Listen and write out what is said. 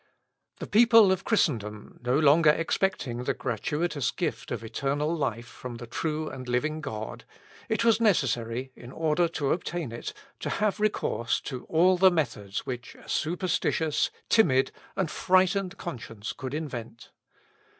The people of Christendom no longer expecting the gratuitous gift of eternal life from the true and living God, it was necessary, in order to obtain it, to have recourse to all the methods which a superstitious, timid, and frightened conscience could invent.